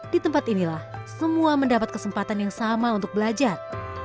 di tempat inilah semua mendapat kesempatan yang sama untuk belajar